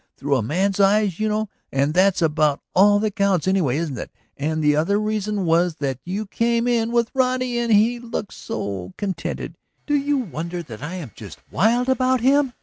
Through a man's eyes, you know; and that's about all that counts anyway, isn't it? And the other reason was that you came in with Roddy and he looked so contented. ... Do you wonder that I am just wild about him?